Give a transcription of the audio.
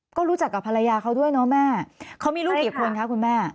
ก็รู้จักกับภรรยาเขาด้วยเนาะแม่เขามีลูกกี่คนคะคุณแม่